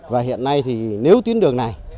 và hiện nay nếu tuyến đường này